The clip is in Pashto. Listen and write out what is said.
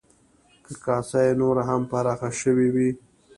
که کاسه یې نوره هم پراخه شوې وی،